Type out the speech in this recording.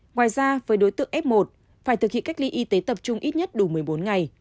ngoài ra với đối tượng f một phải thực hiện cách ly y tế tập trung ít nhất đủ một mươi bốn ngày